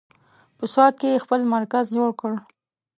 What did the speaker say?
په سوات کې یې خپل مرکز جوړ کړ.